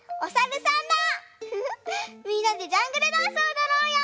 みんなでジャングルダンスをおどろうよ！